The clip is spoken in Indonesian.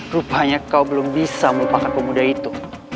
rupanya kau belum bisa melupakan pemuda itu